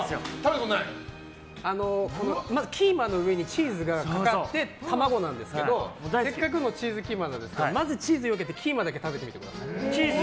まずキーマの上にチーズがかかっていて卵なんですけど、せっかくのチーズキーマなんですがまずチーズをよけてキーマだけ食べてみてください。